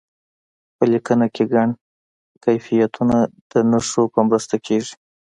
په لیکنه کې ګڼ کیفیتونه د نښو په مرسته کیږي.